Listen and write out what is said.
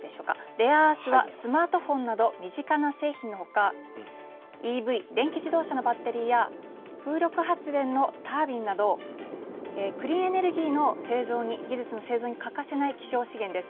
レアアースはスマートフォンなど身近な製品の他ＥＶ＝電気自動車のバッテリーや風力発電のタービンなどクリーンエネルギーの製造に技術の製造に欠かせない希少資源です。